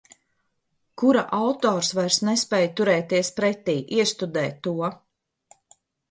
Kura autors vairs nespēj turēties pretī. Iestudē to.